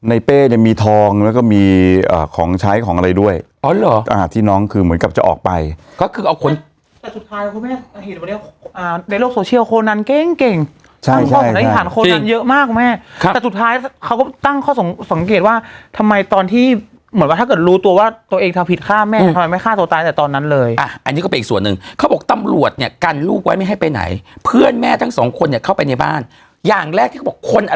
อ่าในโลกโซเชียลโคนันเก่งเก่งใช่ใช่ใช่เยอะมากแม่ครับแต่สุดท้ายเขาก็ตั้งข้อสงสังเกตว่าทำไมตอนที่เหมือนว่าถ้าเกิดรู้ตัวว่าตัวเองทำผิดฆ่าแม่ทำไมไม่ฆ่าตัวตายแต่ตอนนั้นเลยอ่ะอันนี้ก็เป็นอีกส่วนนึงเขาบอกตำรวจเนี้ยกันลูกไว้ไม่ให้ไปไหนเพื่อนแม่ทั้งสองคนเนี้ยเข้าไปในบ